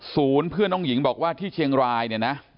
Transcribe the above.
เพื่อนน้องหญิงบอกว่าที่เชียงรายเนี่ยนะ